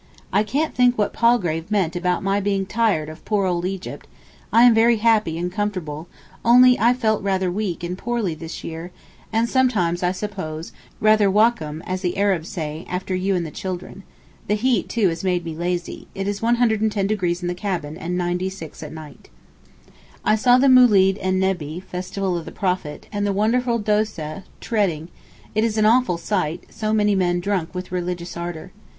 I can't think what Palgrave meant about my being tired of poor old Egypt; I am very happy and comfortable, only I felt rather weak and poorly this year, and sometimes, I suppose, rather wacham, as the Arabs say, after you and the children. The heat, too, has made me lazy—it is 110 in the cabin, and 96 at night. I saw the Moolid en Nebbee (Festival of the Prophet), and the wonderful Dóseh (treading); it is an awful sight; so many men drunk with religious ardour.